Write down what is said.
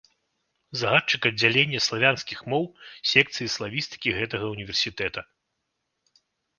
Загадчык аддзялення славянскіх моў секцыі славістыкі гэтага ўніверсітэта.